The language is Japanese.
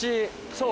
そう！